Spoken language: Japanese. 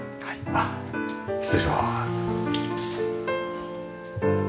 あっ失礼します。